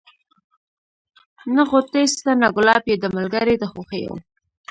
نه غوټۍ سته نه ګلاب یې دی ملګری د خوښیو